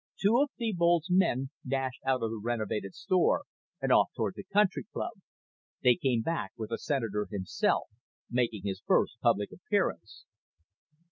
Two of Thebold's men dashed out of the renovated store and off toward the country club. They came back with the Senator himself, making his first public appearance.